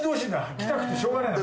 来たくてしようがないんだ。